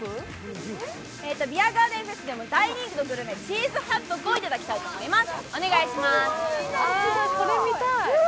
ビアガーデンフェスでも大人気のグルメ、チーズハットグをいただきたいと思います。